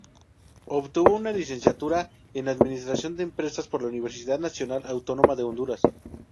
Obtuvo una licenciatura en Administración de Empresas por la Universidad Nacional Autónoma de Honduras.